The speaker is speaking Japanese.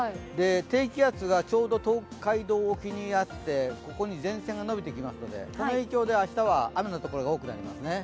低気圧がちょうど東海道沖にあって、ここに前線がのびてきますのでその影響で明日は雨の所が多くなりますね。